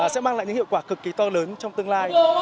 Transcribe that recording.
sẽ mang lại những hiệu quả cực kỳ to lớn trong tương lai